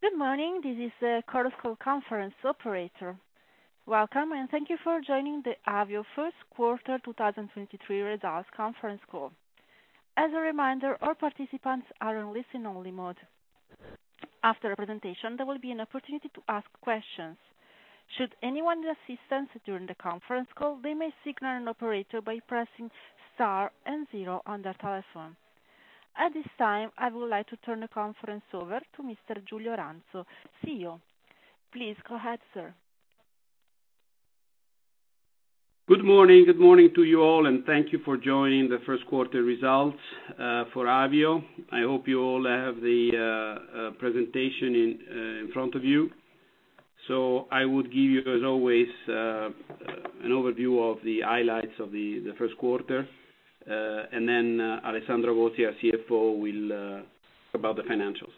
Good morning. This is the Quarter Call Conference Operator. Welcome. Thank you for joining the Avio First Quarter 2023 Results Conference Call. As a reminder, all participants are on listen only mode. After the presentation, there will be an opportunity to ask questions. Should anyone need assistance during the conference call, they may signal an operator by pressing star and zero on their telephone. At this time, I would like to turn the conference over to Mr. Giulio Ranzo, CEO. Please go ahead, sir. Good morning. Good morning to you all, thank you for joining the first quarter results for Avio. I hope you all have the presentation in front of you. I would give you, as always, an overview of the highlights of the first quarter. Alessandro Agosti, our CFO, will talk about the financials.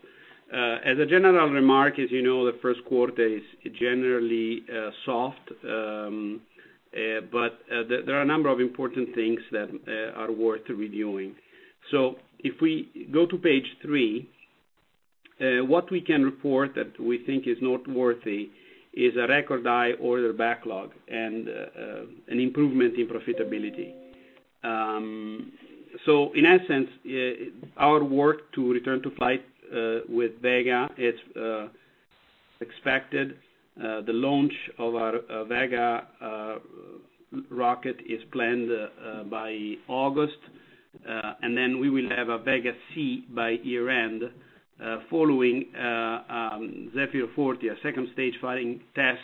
As a general remark, as you know, the first quarter is generally soft. There are a number of important things that are worth reviewing. If we go to page three, what we can report that we think is noteworthy is a record high order backlog, an improvement in profitability. In essence, our work to return to flight with Vega is expected. The launch of our Vega rocket is planned by August, and then we will have a Vega C by year-end, following Zefiro 40, our second stage firing test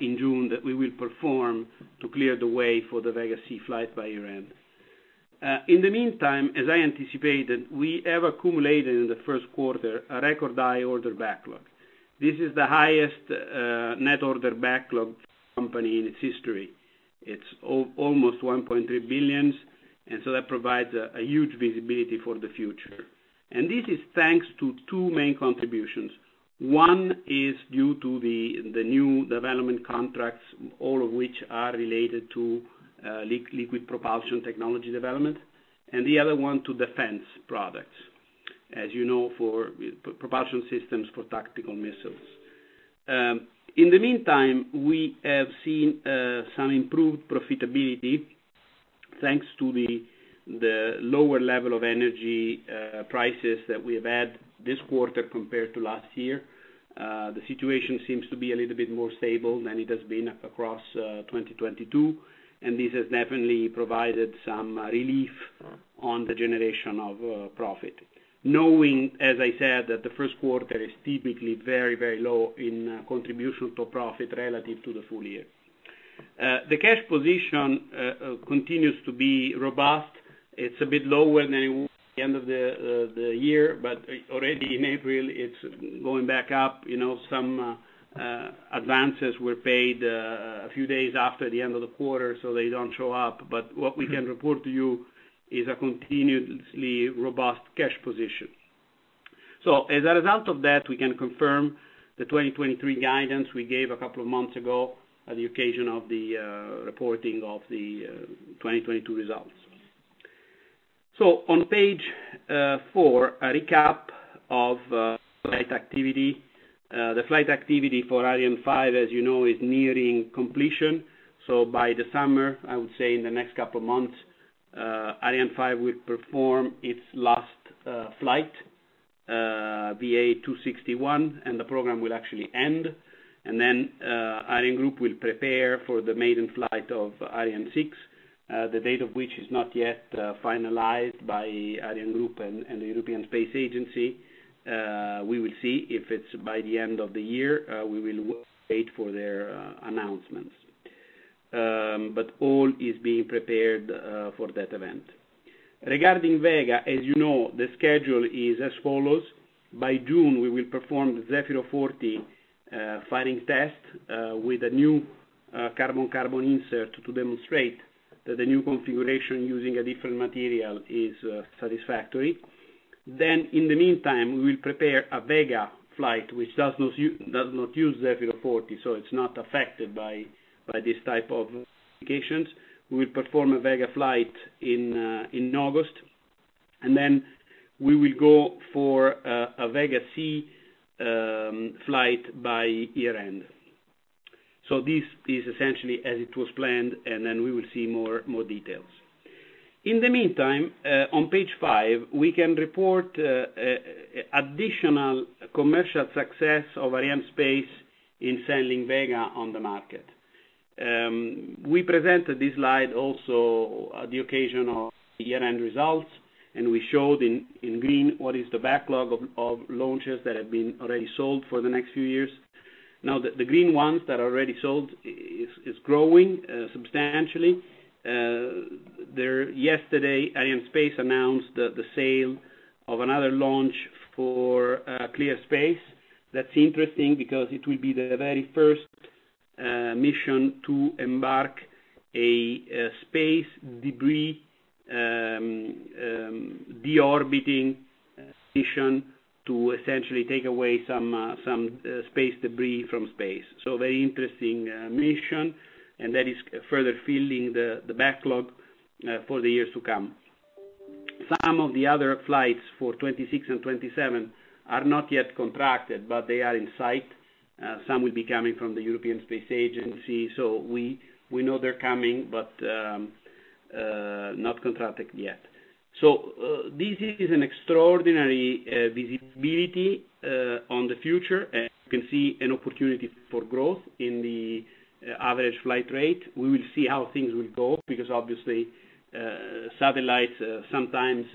in June that we will perform to clear the way for the Vega C flight by year-end. In the meantime, as I anticipated, we have accumulated in the first quarter a record high order backlog. This is the highest net order backlog company in its history. It's almost 1.3 billion, and so that provides a huge visibility for the future. This is thanks to two main contributions. One is due to the new development contracts, all of which are related to liquid propulsion technology development, and the other one to defense products. As you know, for propulsion systems for tactical missiles. In the meantime, we have seen some improved profitability thanks to the lower level of energy prices that we have had this quarter compared to last year. The situation seems to be a little bit more stable than it has been across 2022, and this has definitely provided some relief on the generation of profit. Knowing, as I said, that the first quarter is typically very, very low in contribution to profit relative to the full year. The cash position continues to be robust. It's a bit lower than it was at the end of the year, but already in April, it's going back up. You know, some advances were paid a few days after the end of the quarter, so they don't show up. What we can report to you is a continuously robust cash position. As a result of that, we can confirm the 2023 guidance we gave a couple of months ago at the occasion of the reporting of the 2022 results. On Page 4, a recap of flight activity. The flight activity for Ariane 5, as you know, is nearing completion. By the summer, I would say in the next couple of months, Ariane 5 will perform its last flight, VA261, and the program will actually end. ArianeGroup will prepare for the maiden flight of Ariane 6, the date of which is not yet finalized by ArianeGroup and the European Space Agency. We will see if it's by the end of the year, we will wait for their announcements. All is being prepared for that event. Regarding Vega, as you know, the schedule is as follows. By June, we will perform Zefiro 40 firing test with a new carbon-carbon insert to demonstrate that the new configuration using a different material is satisfactory. In the meantime, we will prepare a Vega flight which does not use Zefiro 40, so it's not affected by this type of applications. We will perform a Vega flight in August, we will go for a Vega C flight by year-end. This is essentially as it was planned, we will see more details. In the meantime, on Page 5, we can report additional commercial success of Arianespace in selling Vega on the market. We presented this slide also at the occasion of year-end results. We showed in green what is the backlog of launches that have been already sold for the next few years. The green ones that are already sold is growing substantially. Yesterday, Arianespace announced the sale of another launch for ClearSpace. That's interesting because it will be the very first mission to embark a space debris deorbiting mission to essentially take away some space debris from space. Very interesting mission, and that is further filling the backlog for the years to come. Some of the other flights for 2026 and 2027 are not yet contracted, but they are in sight. Some will be coming from the European Space Agency. We, we know they're coming, but not contracted yet. This is an extraordinary visibility on the future, and you can see an opportunity for growth in the average flight rate. We will see how things will go, because obviously, satellites sometimes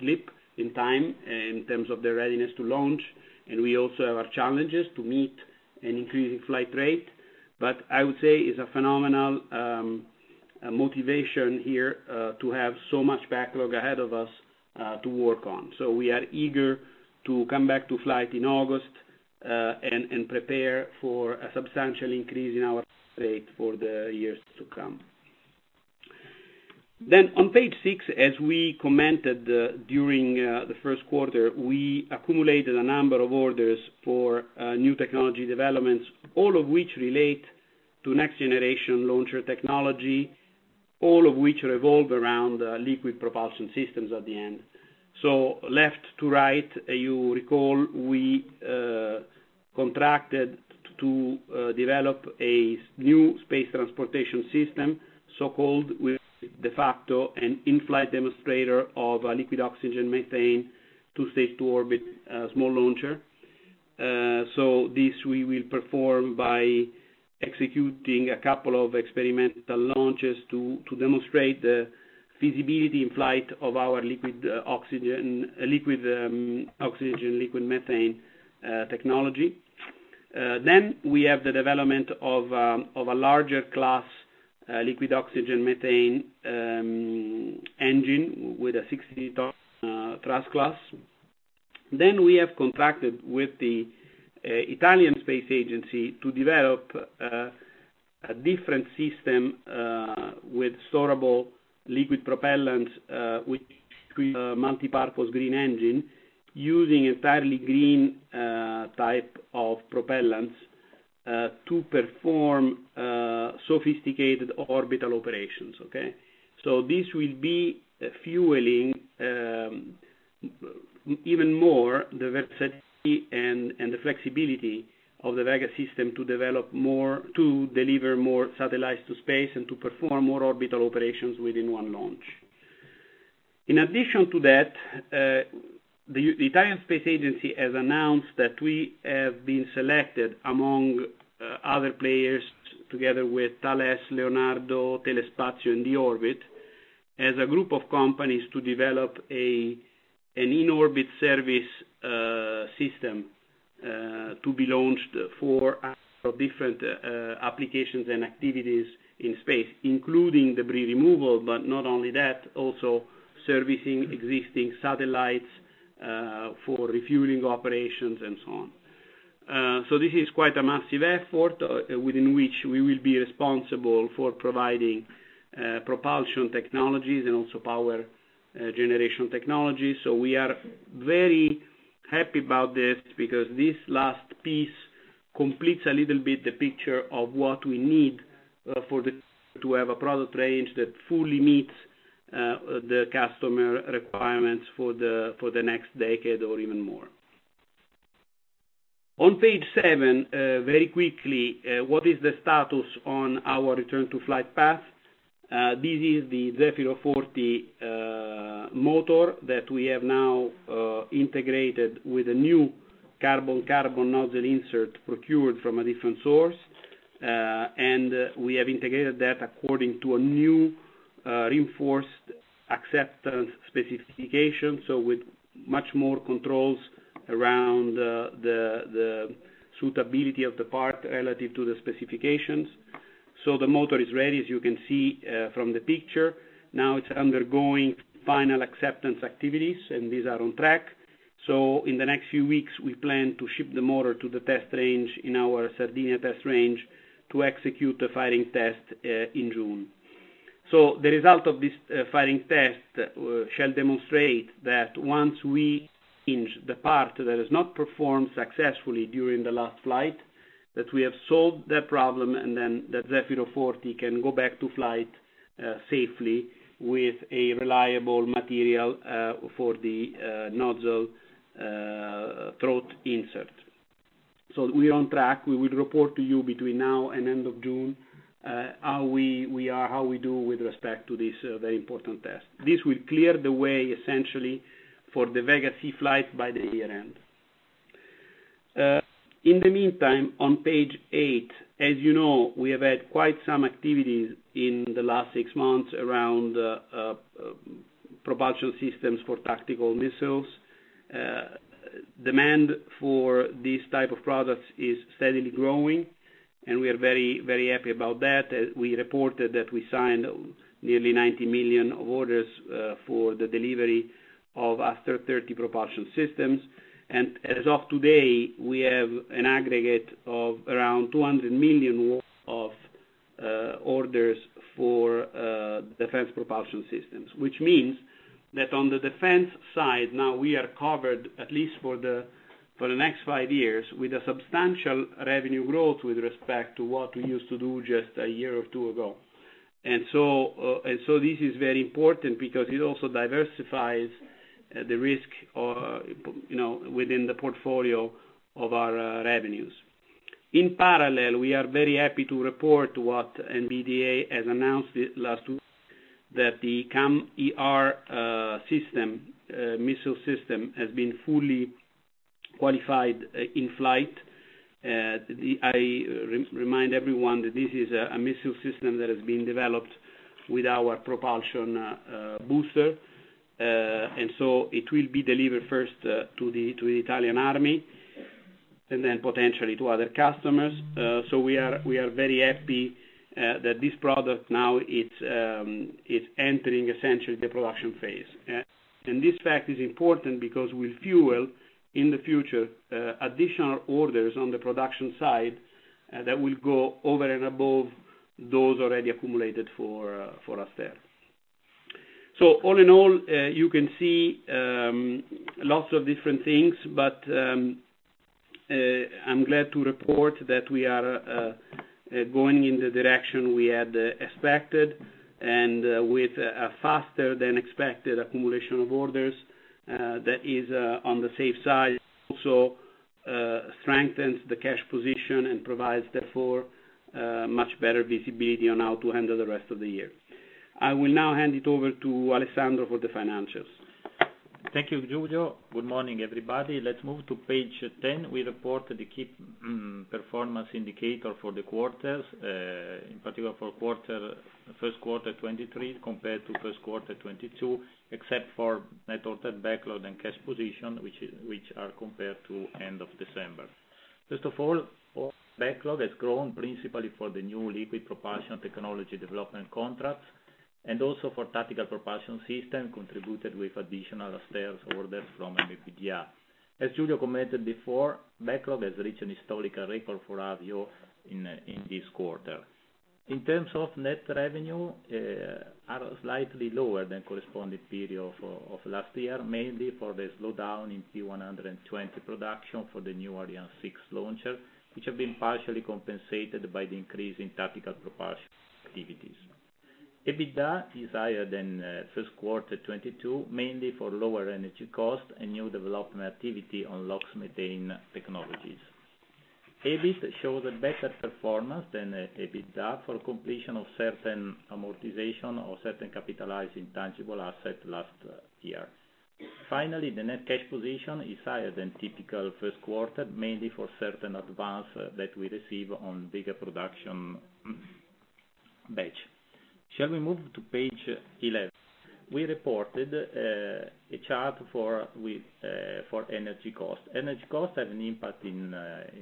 slip in time in terms of their readiness to launch. We also have our challenges to meet an increasing flight rate. I would say it's a phenomenal motivation here to have so much backlog ahead of us to work on. We are eager to come back to flight in August and prepare for a substantial increase in our rate for the years to come. On Page 6, as we commented, during the first quarter, we accumulated a number of orders for new technology developments, all of which relate to next-generation launcher technology, all of which revolve around liquid propulsion systems at the end. Left to right, you recall, we contracted to develop a new space transportation system, so called with, de facto, an in-flight demonstrator of a Liquid Oxygen Methane to stage to orbit, small launcher. This we will perform by executing a couple of experimental launches to demonstrate the feasibility in flight of our Liquid Oxygen, Liquid Oxygen-Liquid Methane technology. We have the development of a larger class Liquid Oxygen Methane Engine with a 60-ton thrust class. We have contracted with the Italian Space Agency to develop a different system with storable liquid propellant, which is a Multi-Purpose Green Engine using entirely green type of propellants to perform sophisticated orbital operations. This will be fueling even more the versatility and the flexibility of the Vega to deliver more satellites to space and to perform more orbital operations within one launch. In addition to that, the Italian Space Agency has announced that we have been selected among other players together with Thales, Leonardo, Telespazio, and D-Orbit, as a group of companies to develop an in-orbit service system to be launched for a number of different applications and activities in space, including debris removal, but not only that, also servicing existing satellites for refueling operations and so on. This is quite a massive effort within which we will be responsible for providing propulsion technologies and also power generation technologies. We are very happy about this because this last piece completes a little bit the picture of what we need to have a product range that fully meets the customer requirements for the next decade or even more. On page seven, very quickly, what is the status on our return to flight path? This is the Zefiro 40 motor that we have now integrated with a new carbon-carbon nozzle insert procured from a different source. We have integrated that according to a new reinforced acceptance specification, so with much more controls around the suitability of the part relative to the specifications. The motor is ready, as you can see from the picture. Now it's undergoing final acceptance activities, and these are on track. In the next few weeks, we plan to ship the motor to the test range in our Sardinia test range to execute a firing test in June. The result of this firing test shall demonstrate that once we change the part that has not performed successfully during the last flight, that we have solved that problem, and then that Zefiro 40 can go back to flight safely with a reliable material for the nozzle throat insert. We are on track. We will report to you between now and end of June, how we are, how we do with respect to this very important test. This will clear the way, essentially, for the Vega C flight by the year-end. In the meantime, on page 8, as you know, we have had quite some activities in the last 6 months around propulsion systems for tactical missiles. Demand for these type of products is steadily growing, and we are very, very happy about that. We reported that we signed nearly 90 million of orders for the delivery of Aster 30 propulsion systems. As of today, we have an aggregate of around 200 million of orders for defense propulsion systems, which means that on the defense side, now we are covered at least for the next five years with a substantial revenue growth with respect to what we used to do just a year or two ago. This is very important because it also diversifies the risk, you know, within the portfolio of our revenues. In parallel, we are very happy to report what MBDA has announced last week, that the CAMM-ER system missile system has been fully qualified in flight. I remind everyone that this is a missile system that has been developed with our propulsion booster. It will be delivered first to the Italian Army and then potentially to other customers. We are very happy that this product now it's entering essentially the production phase. This fact is important because with fuel in the future additional orders on the production side that will go over and above those already accumulated for us there. All in all, you can see lots of different things, but I'm glad to report that we are going in the direction we had expected and with a faster than expected accumulation of orders, that is on the safe side, also strengthens the cash position and provides therefore much better visibility on how to handle the rest of the year. I will now hand it over to Alessandro for the financials. Thank you, Giulio. Good morning, everybody. Let's move to page 10. We reported the key, mmg, performance indicator for the quarters, in particular for first quarter 2023 compared to first quarter 2022, except for net total backlog and cash position, which are compared to end of December. First of all, backlog has grown principally for the new liquid propulsion technology development contracts, and also for tactical propulsion system contributed with additional Aster orders from MBDA. As Giulio commented before, backlog has reached an historical record for Avio in this quarter. In terms of net revenue, are slightly lower than corresponding period of last year, mainly for the slowdown in P120C production for the new Ariane 6 launcher, which have been partially compensated by the increase in tactical propulsion activities. EBITDA is higher than first quarter 2022, mainly for lower energy cost and new development activity on LOX/methane technologies. EBIT shows a better performance than EBITDA for completion of certain amortization or certain capitalized intangible assets last year. The net cash position is higher than typical first quarter, mainly for certain advances that we receive on bigger production batches. Shall we move to page 11? We reported a chart for energy cost. Energy cost has an impact in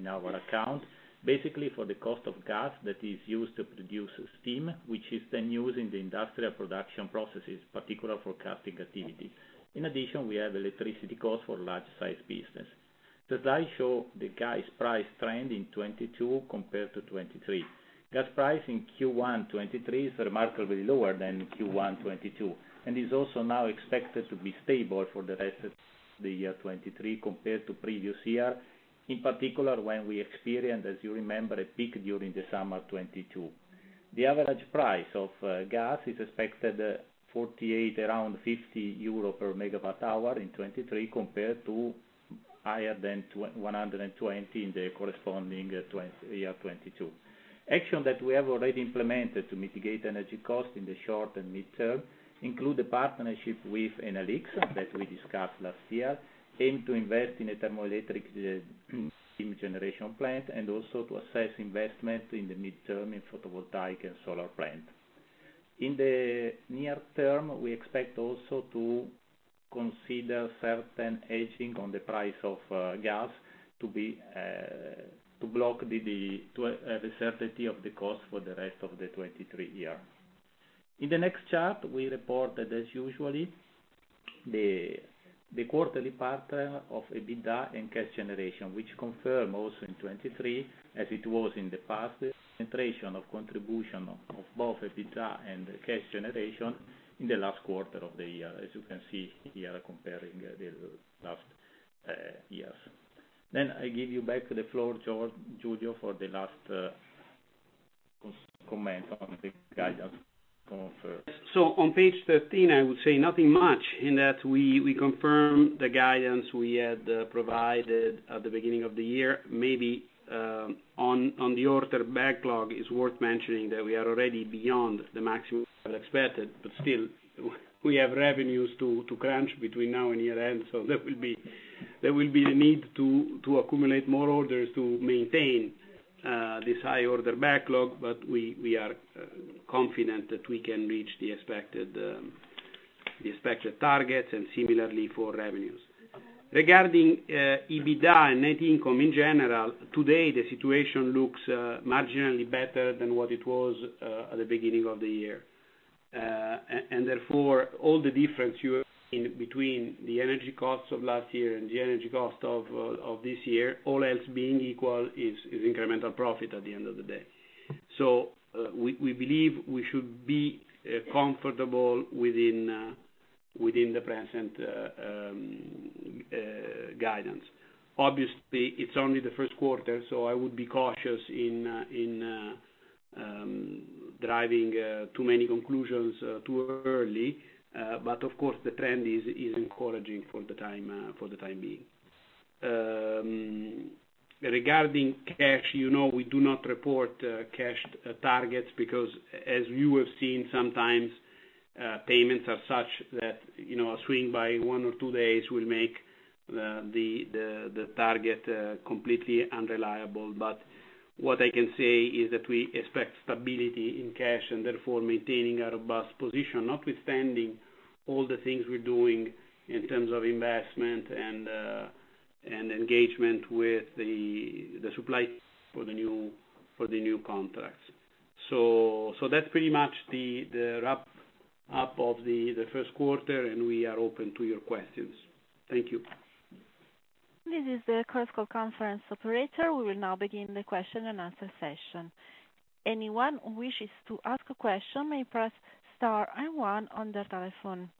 our accounts, basically for the cost of gas that is used to produce steam, which is then used in the industrial production processes, particularly for casting activities. We have electricity costs for large-sized business. The slides show the gas price trend in 2022 compared to 2023. Gas price in Q1 2023 is remarkably lower than in Q1 2022, is also now expected to be stable for the rest of the year 2023 compared to previous year. In particular, when we experienced, as you remember, a peak during the summer 2022. The average price of gas is expected 48, around 50 euro per megawatt hour in 2023, compared to higher than 120 in the corresponding year 2022. Action that we have already implemented to mitigate energy cost in the short and mid-term include a partnership with Enel X that we discussed last year, aim to invest in a thermoelectric steam generation plant and also to assess investment in the mid-term in photovoltaic and solar plant. In the near term, we expect also to consider certain hedging on the price of gas to be to block the certainty of the cost for the rest of the 2023 year. In the next chart, we reported as usually the quarterly partner of EBITDA and cash generation, which confirm also in 2023, as it was in the past, concentration of contribution of both EBITDA and cash generation in the last quarter of the year, as you can see here comparing the last years. I give you back to the floor, Giulio, for the last comment on the guidance going forward. On page 13, I would say nothing much in that we confirm the guidance we had provided at the beginning of the year. Maybe on the order backlog is worth mentioning that we are already beyond the maximum expected, but still we have revenues to crunch between now and year-end. There will be the need to accumulate more orders to maintain this high order backlog. We are confident that we can reach the expected targets and similarly for revenues. Regarding EBITDA and net income in general, today the situation looks marginally better than what it was at the beginning of the year. Therefore, all the difference you have seen between the energy costs of last year and the energy cost of this year, all else being equal, is incremental profit at the end of the day. We believe we should be comfortable within the present guidance. Obviously, it's only the first quarter, so I would be cautious in driving too many conclusions too early. Of course, the trend is encouraging for the time being. Regarding cash, you know we do not report cash targets because as you have seen, sometimes payments are such that, you know, a swing by one or two days will make the target completely unreliable. What I can say is that we expect stability in cash, and therefore maintaining a robust position, notwithstanding all the things we're doing in terms of investment and engagement with the supply for the new contracts. That's pretty much the wrap up of the first quarter, and we are open to your questions. Thank you. This is the Chorus Call conference operator. We will now begin the question and answer session. Anyone who wishes to ask a question may press star and 1 on their telephone.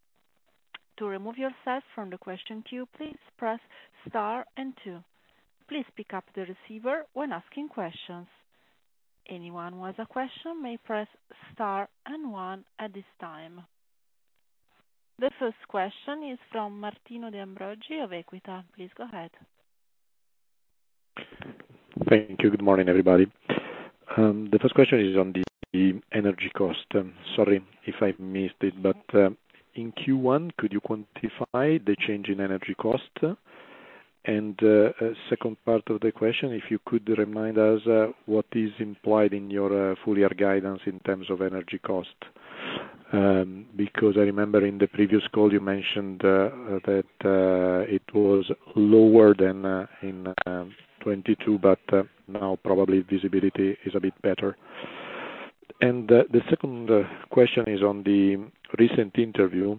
To remove yourself from the question queue, please press star and 2. Please pick up the receiver when asking questions. Anyone who has a question may press star and 1 at this time. The first question is from Martino De Ambroggi of EQUITA. Please go ahead. Thank you. Good morning, everybody. The first question is on the energy cost. Sorry if I missed it, but in Q1, could you quantify the change in energy cost? Second part of the question, if you could remind us what is implied in your full year guidance in terms of energy cost? Because I remember in the previous call you mentioned that it was lower than in 2022, but now probably visibility is a bit better. The second question is on the recent interview.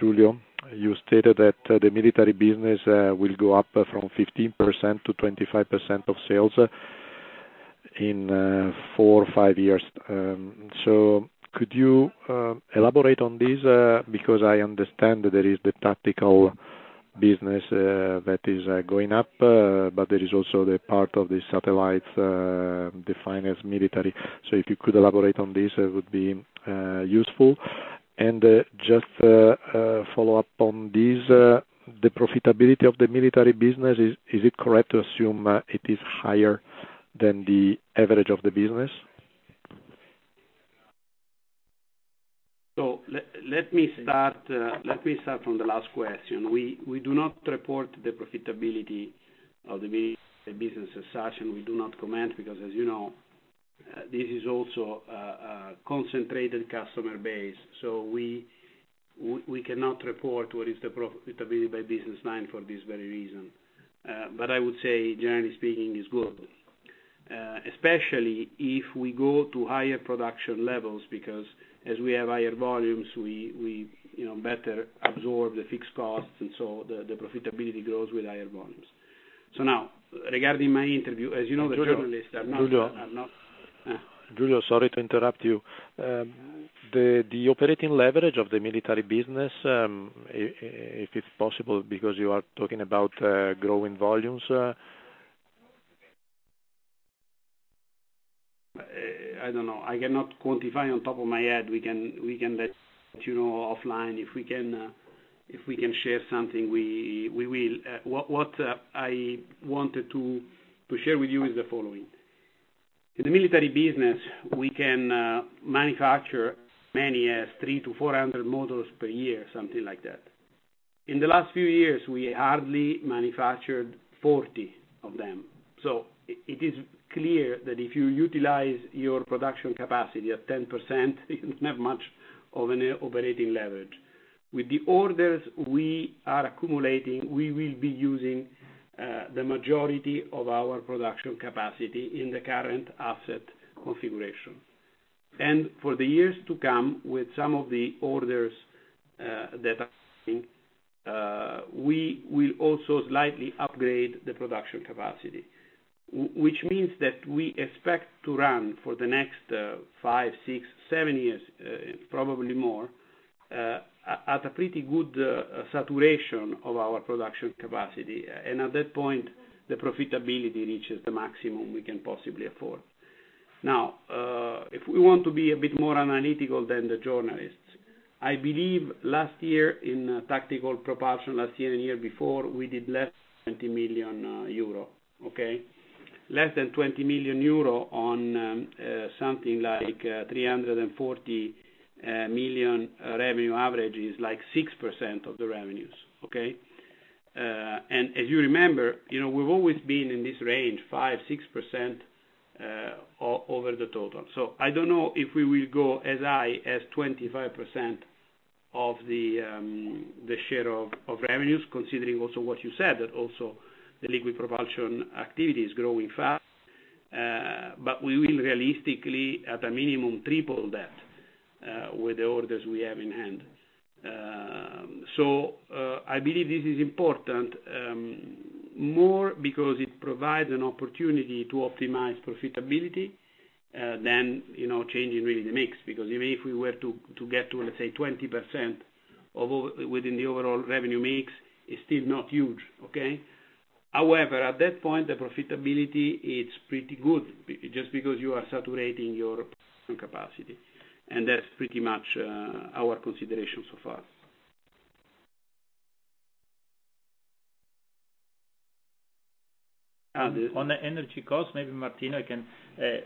Giulio, you stated that the military business will go up from 15% to 25% of sales in four or five years. Could you elaborate on this? I understand that there is the tactical business, that is, going up, but there is also the part of the satellites, defined as military. If you could elaborate on this, it would be useful. Just a follow-up on this, the profitability of the military business, is it correct to assume, it is higher than the average of the business? Let me start from the last question. We do not report the profitability of the business as such, and we do not comment because, as you know, this is also a concentrated customer base. We cannot report what is the profitability by business line for this very reason. But I would say generally speaking is good, especially if we go to higher production levels because as we have higher volumes, we, you know, better absorb the fixed costs, and so the profitability grows with higher volumes. Now regarding my interview, as you know, the journalists are not. Giulio, sorry to interrupt you. The operating leverage of the military business, if it's possible because you are talking about growing volumes? I don't know. I cannot quantify on top of my head. We can let you know offline. If we can share something, we will. What I wanted to share with you is the following. In the military business, we can manufacture as many as 300-400 models per year, something like that. In the last few years, we hardly manufactured 40 of them. It is clear that if you utilize your production capacity at 10%, you don't have much of an operating leverage. With the orders we are accumulating, we will be using the majority of our production capacity in the current asset configuration. For the years to come, with some of the orders that are coming, we will also slightly upgrade the production capacity. Which means that we expect to run for the next five, six, seven years, probably more, at a pretty good saturation of our production capacity. At that point, the profitability reaches the maximum we can possibly afford. Now, if we want to be a bit more analytical than the journalists, I believe last year in tactical propulsion, last year and the year before, we did less than 20 million euro. Okay? Less than 20 million euro on something like 340 million revenue average is like 6% of the revenues. Okay? As you remember, you know, we've always been in this range, 5%, 6% over the total. I don't know if we will go as high as 25% of the share of revenues, considering also what you said, that also the liquid propulsion activity is growing fast. We will realistically, at a minimum, triple that with the orders we have in hand. I believe this is important. More because it provides an opportunity to optimize profitability than, you know, changing really the mix. Even if we were to get to, let's say, 20% of within the overall revenue mix, it's still not huge. Okay? However, at that point, the profitability, it's pretty good just because you are saturating your capacity. That's pretty much our consideration so far. On the energy cost, maybe Martino can,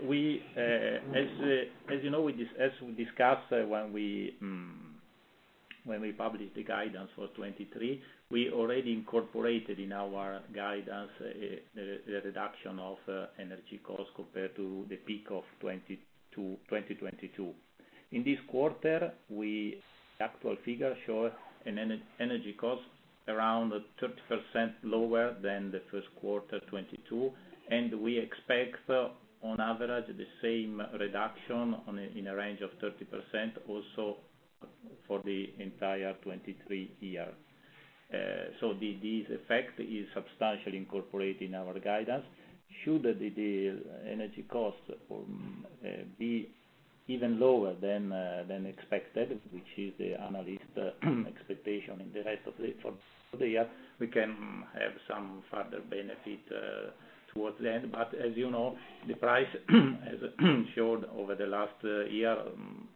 we, as you know, as we discussed when we published the guidance for 2023, we already incorporated in our guidance, the reduction of energy costs compared to the peak of 20 to 2022. In this quarter, actual figures show an energy cost around 30% lower than the first quarter 2022, and we expect, on average, the same reduction in a range of 30% also for the entire 2023 year. This effect is substantially incorporated in our guidance. Should the energy costs be even lower than expected, which is the analyst expectation in the rest of the, for the year, we can have some further benefit, towards the end. As you know, the price has showed over the last year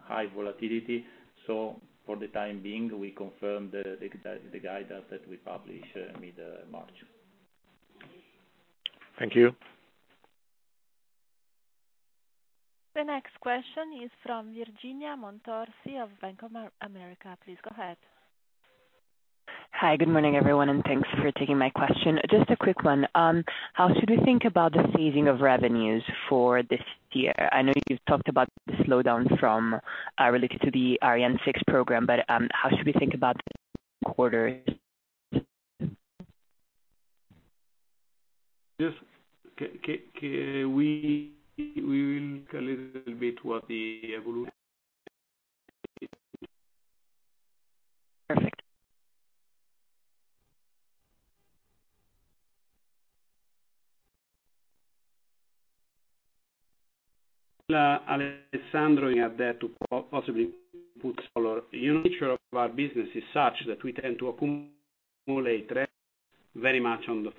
high volatility. For the time being, we confirm the guidance that we publish mid-March. Thank you. The next question is from Virginia Montorsi of Bank of America. Please go ahead. Hi. Good morning, everyone, and thanks for taking my question. Just a quick one. How should we think about the seasoning of revenues for this year? I know you've talked about the slowdown from, related to the Ariane 6 program, how should we think about this quarter? Just we will look a little bit what the evolution. Perfect. Alessandro had that to possibly put our, you know, nature of our business is such that we tend to accumulate very much on the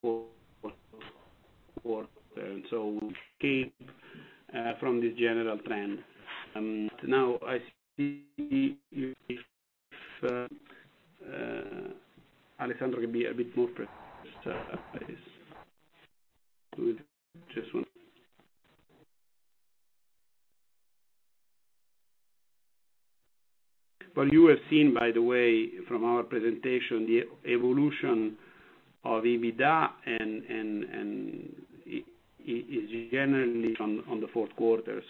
fourth quarter, we came from this general trend. Now I see if Alessandro can be a bit more precise, please. You have seen, by the way, from our presentation, the evolution of EBITDA and is generally on the fourth quarter.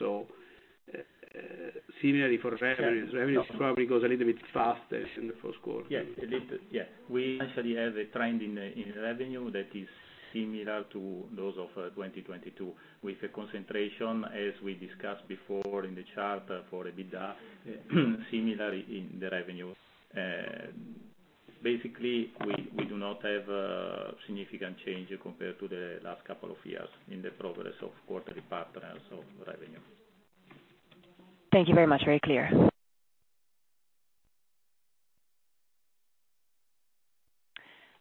Similarly for revenues. Revenues probably goes a little bit faster in the first quarter. Yeah. A little, yeah. We actually have a trend in revenue that is similar to those of 2022, with a concentration, as we discussed before in the chart for EBITDA, similarly in the revenue. Basically, we do not have a significant change compared to the last couple of years in the progress of quarterly patterns of revenue. Thank you very much. Very clear.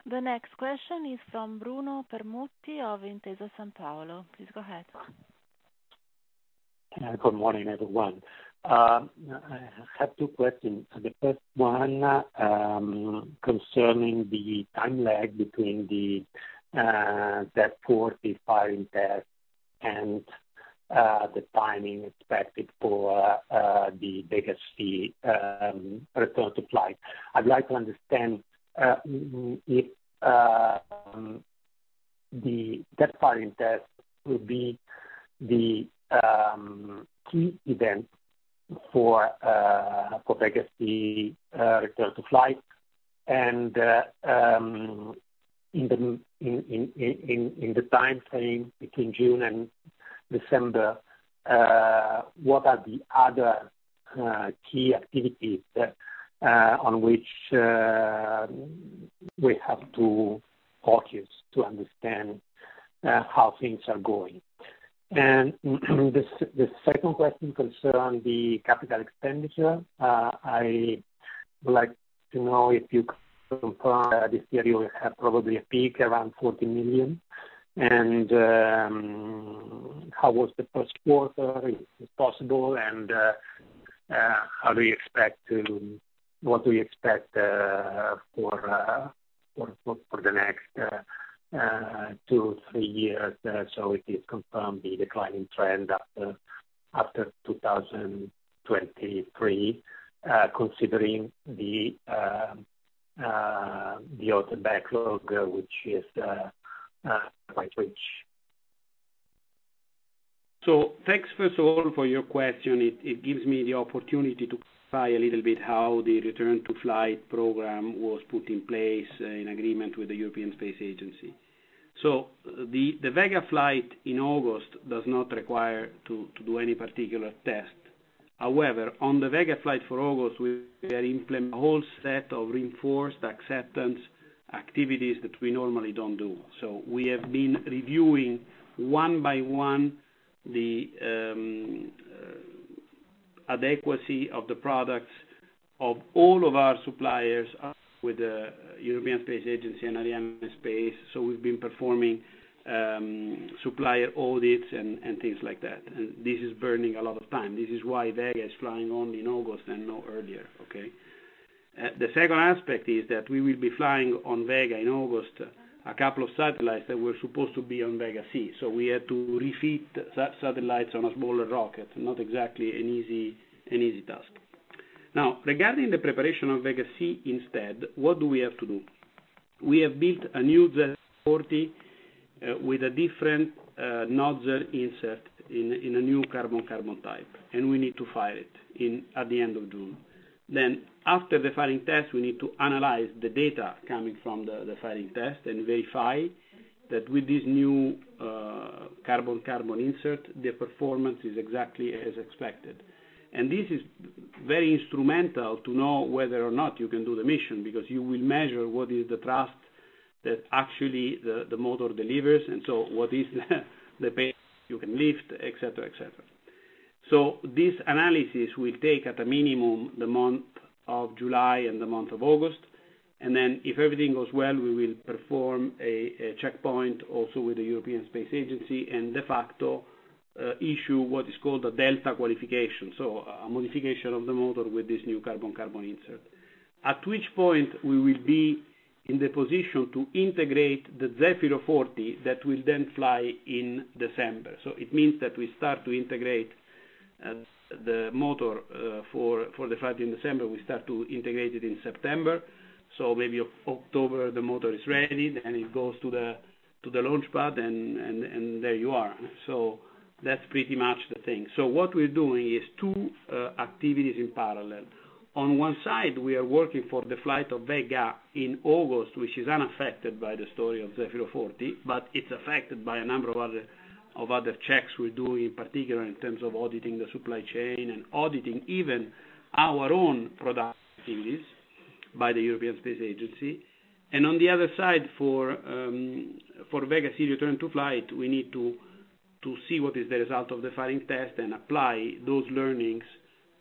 The next question is from Bruno Permutti of Intesa Sanpaolo. Please go ahead. Good morning, everyone. I have 2 questions. The first one, concerning the time lag between the firing test and the timing expected for the Vega C return to flight. I'd like to understand if the firing test will be the key event for Vega C return to flight and in the timeframe between June and December, what are the other key activities on which we have to focus to understand how things are going? The second question concern the Capital expenditure. I would like to know if you confirm this year you will have probably a peak around 40 million and how was the first quarter if possible, what do you expect for the next 2, 3 years? It is confirmed the declining trend after 2023 considering the order backlog, which is quite rich. Thanks first of all for your question. It gives me the opportunity to clarify a little bit how the return to flight program was put in place in agreement with the European Space Agency. The Vega flight in August does not require to do any particular test. However, on the Vega flight for August, we are implement whole set of reinforced acceptance activities that we normally don't do. We have been reviewing one by one the adequacy of the products of all of our suppliers with the European Space Agency and Arianespace. We've been performing supplier audits and things like that. And this is burning a lot of time. This is why Vega is flying only in August and no earlier, okay? The second aspect is that we will be flying on Vega in August, a couple of satellites that were supposed to be on Vega-C. We had to refeed satellites on a smaller rocket. Not exactly an easy task. Regarding the preparation of Vega-C instead, what do we have to do? We have built a new Zefiro 40 with a different nozzle insert in a new carbon-carbon type, and we need to fire it at the end of June. After the firing test, we need to analyze the data coming from the firing test and verify that with this new carbon-carbon insert, the performance is exactly as expected. This is very instrumental to know whether or not you can do the mission, because you will measure what is the thrust that actually the motor delivers, what is the base you can lift, et cetera, et cetera. This analysis will take, at a minimum, the month of July and the month of August. If everything goes well, we will perform a checkpoint also with the European Space Agency and de facto issue what is called a delta qualification, a modification of the motor with this new carbon-carbon insert. At which point we will be in the position to integrate the Zefiro 40 that will then fly in December. It means that we start to integrate the motor for the flight in December, we start to integrate it in September. Maybe October the motor is ready, then it goes to the launch pad, and there you are. That's pretty much the thing. What we're doing is two activities in parallel. On one side, we are working for the flight of Vega in August, which is unaffected by the story of Zefiro 40, but it's affected by a number of other checks we're doing, in particular in terms of auditing the supply chain and auditing even our own product activities by the European Space Agency. On the other side for Vega C return to flight, we need to see what is the result of the firing test and apply those learnings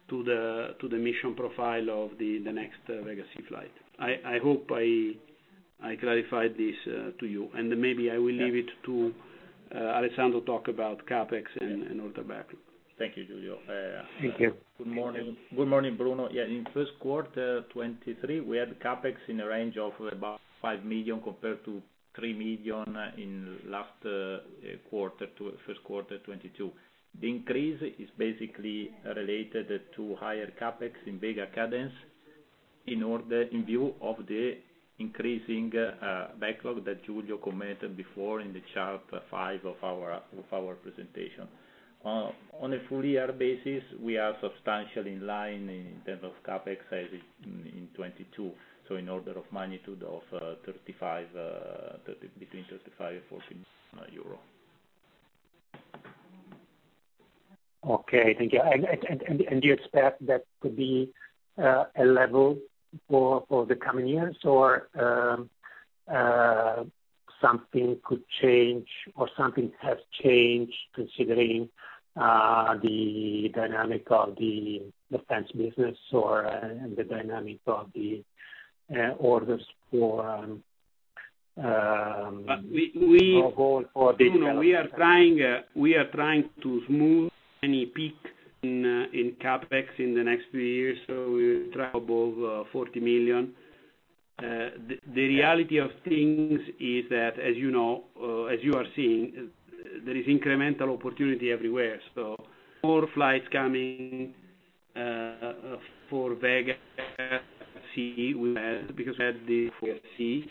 to the mission profile of the next Vega C flight. I hope I clarified this to you. Maybe I will leave it to Alessandro talk about CapEx and order backlog. Thank you, Giulio. Thank you. Good morning. Good morning, Bruno. In first quarter 2023, we had CapEx in a range of about 5 million compared to 3 million in last quarter to first quarter 2022. The increase is basically related to higher CapEx in Vega-C cadence in view of the increasing backlog that Giulio commented before in the chart 5 of our presentation. On a full year basis, we are substantially in line in terms of CapEx as it in 2022. In order of magnitude of between 35 million and 40 million euro. Okay, thank you. Do you expect that to be a level for the coming years? Or, something could change or something has changed considering the dynamic of the defense business or, and the dynamic of the orders for? Uh, we, we- Going forward. Bruno, we are trying, we are trying to smooth any peak in CapEx in the next few years. We travel 40 million. The reality of things is that, as you know, as you are seeing, there is incremental opportunity everywhere. More flights coming for Vega C, we had, because we had the four C.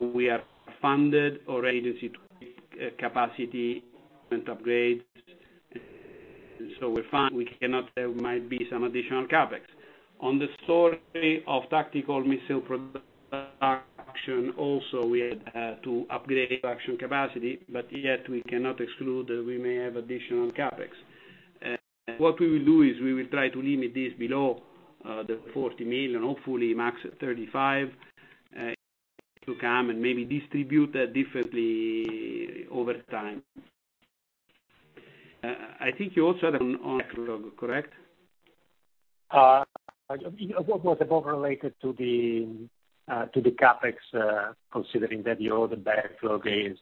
We are funded already to capacity and upgrade. We're fine. We cannot say there might be some additional CapEx. On the story of tactical missile production also we had to upgrade production capacity. Yet we cannot exclude that we may have additional CapEx. What we will do is we will try to limit this below the 40 million, hopefully max 35 to come and maybe distribute that differently over time. I think you also had on backlog, correct? It was above related to the CapEx, considering that the order backlog is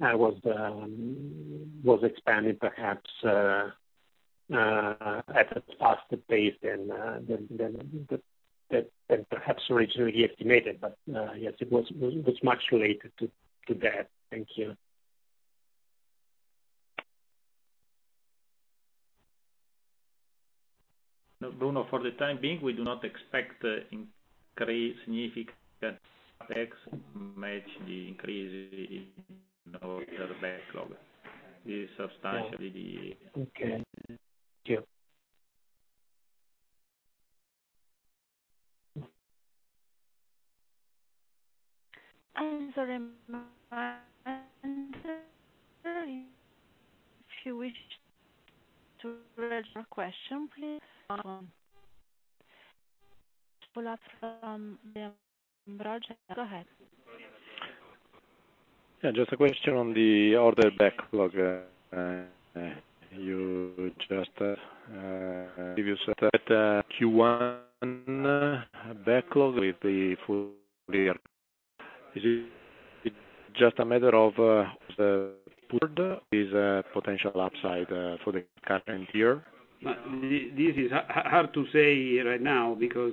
was expanded perhaps at a faster pace than that perhaps originally estimated. Yes, it was much related to that. Thank you. No, Bruno, for the time being, we do not expect, increase significant CapEx to match the increase in order backlog. This is substantially. Okay. Thank you. I'm sorry, Paolo. If you wish to raise your question, please. Paolo from Banca Akros, go ahead. Yeah, just a question on the order backlog. You just give us that Q1 backlog with the full year. Is it just a matter of the board is a potential upside for the current year? This is hard to say right now because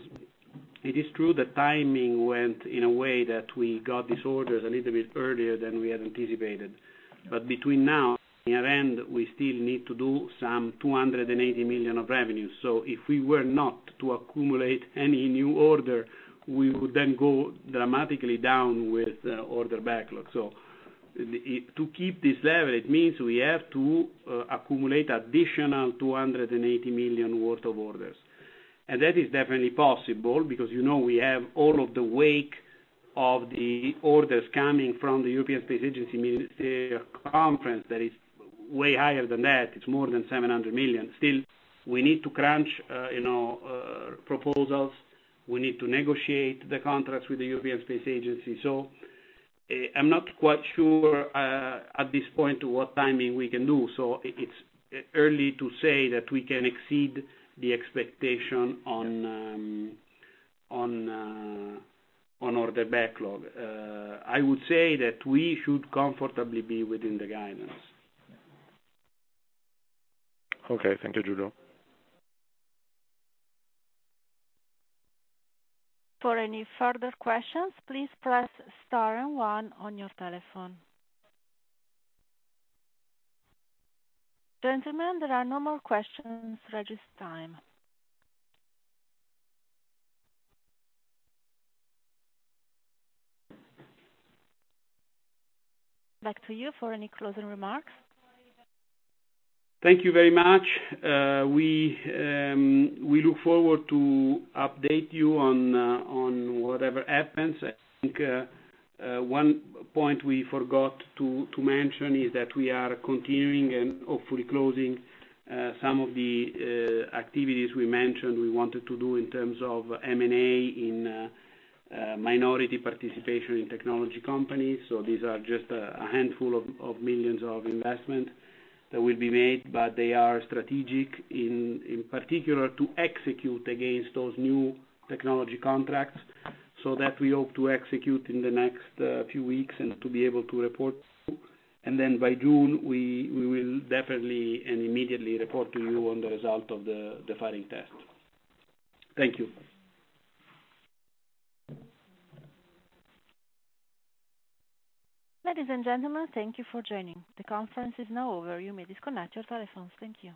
it is true the timing went in a way that we got these orders a little bit earlier than we had anticipated. Between now and year-end, we still need to do some 280 million of revenue. If we were not to accumulate any new order, we would then go dramatically down with order backlog. To keep this level, it means we have to accumulate additional 280 million worth of orders. That is definitely possible because, you know, we have all of the wake of the orders coming from the European Space Agency Ministerial Council that is way higher than that. It's more than 700 million. Still, we need to crunch, you know, proposals. We need to negotiate the contracts with the European Space Agency. I'm not quite sure, at this point what timing we can do. It's early to say that we can exceed the expectation on order backlog. I would say that we should comfortably be within the guidance. Okay. Thank you, Giulio. For any further questions, please press star and one on your telephone. Gentlemen, there are no more questions registered time. Back to you for any closing remarks. Thank you very much. We look forward to update you on whatever happens. I think one point we forgot to mention is that we are continuing and hopefully closing some of the activities we mentioned we wanted to do in terms of M&A in minority participation in technology companies. These are just a handful of millions of investment that will be made, but they are strategic in particular to execute against those new technology contracts that we hope to execute in the next few weeks and to be able to report. By June, we will definitely and immediately report to you on the result of the firing test. Thank you. Ladies and gentlemen, thank you for joining. The conference is now over. You may disconnect your telephones. Thank you.